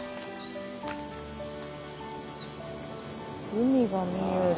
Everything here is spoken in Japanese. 海が見える。